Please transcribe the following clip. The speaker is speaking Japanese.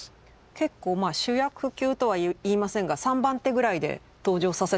結構主役級とは言いませんが３番手ぐらいで登場させてしまってるってことですよね。